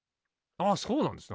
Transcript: あそうなんですね